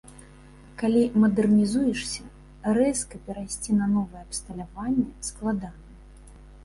Калі мадэрнізуешся, рэзка перайсці на новае абсталяванне складана.